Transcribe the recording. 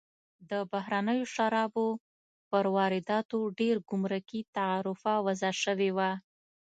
د بهرنیو شرابو پر وارداتو ډېر ګمرکي تعرفه وضع شوې وه.